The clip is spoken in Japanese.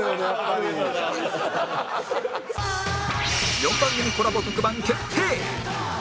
４番組コラボ特番決定！